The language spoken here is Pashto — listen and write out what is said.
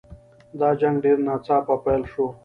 دا جنګ ډېر ناڅاپه پیل شو.